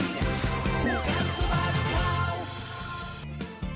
เหรอ